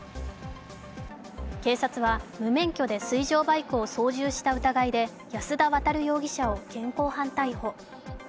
警察は無免許で水上バイクを操縦した疑いで安田亘容疑者を現行犯逮捕。